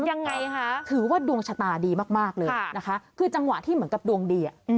ยังไงคะถือว่าดวงชะตาดีมากเลยนะคะคือจังหวะที่เหมือนกับดวงดีอ่ะ